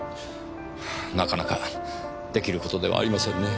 なかなか出来る事ではありませんね。